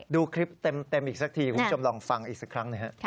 ดูคลิปเต็มอีกสักทีคุณผู้ชมลองฟังอีกสักครั้งหนึ่งฮะ